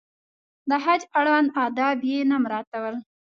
د حج اړوند آداب یې نه مراعاتول.